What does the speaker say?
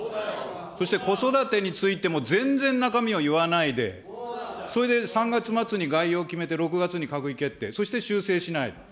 そして子育てについても全然中身を言わないで、それで３月末に概要を決めて、６月に閣議決定、そして修正しない。